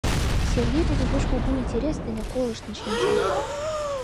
Сергей тидым пеш кугу интерес дене колыштын шинча.